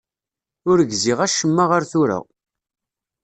Ur gziɣ acemma ar tura.